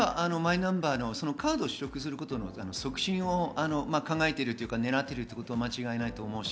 カードを取得することの促進を考えているというか、狙っているのは間違いないと思います。